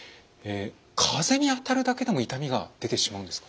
風に当たるだけでも痛みが出てしまうんですか？